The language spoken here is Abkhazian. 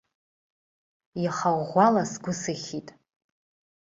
Иаха ӷәӷәала сгәы сыхьит.